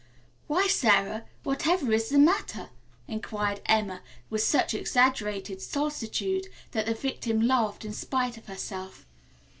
"Why, Sara, whatever is the matter?" inquired Emma with such exaggerated solicitude that the victim laughed in spite of herself.